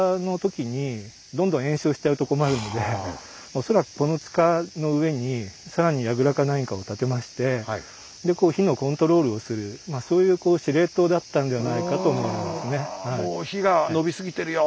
恐らくこの塚の上に更にやぐらか何かを建てましてで火のコントロールをするそういう司令塔だったんではないかと思われますね。